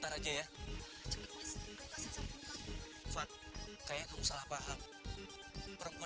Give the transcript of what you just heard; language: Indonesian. aku ajak adik adikku makan di luar aja